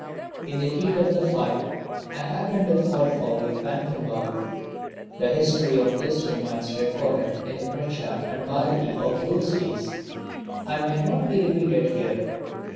In the heat of the fight I happened to fall foul of Bankim Babu. The history of this remains recorded in the Prachar and Bharati of those days and need not be repeated here.